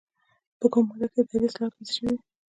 په کومه ماده کې اداري اصلاحات واضح شوي دي؟